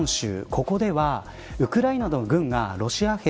ここではウクライナの軍がロシア兵